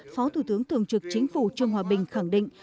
phó thủ tướng thường trực chính phủ trương hòa bình khẳng định